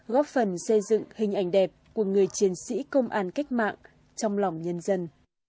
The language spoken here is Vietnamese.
góp phần xây dựng hình ảnh đẹp của người chiến sĩ công an cách mạng trong lòng nhân dân